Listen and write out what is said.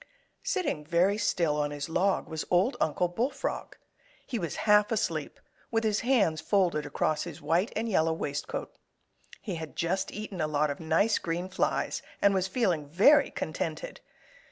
Sitting very still on his log was Old Uncle Bullfrog. He was half asleep, with his hands folded across his white and yellow waistcoat. He had just eaten a lot of nice green flies and was feeling very contented.